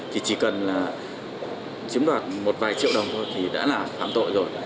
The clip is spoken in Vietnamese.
thì chỉ cần là chiếm đoạt một vài triệu đồng thôi thì đã là phạm tội rồi